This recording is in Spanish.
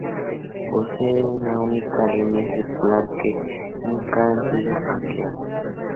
Posee una única línea circular, que nunca ha sido ampliada.